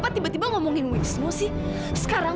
bapa tentu memstilkan dalam makhluknya wisnu sekarang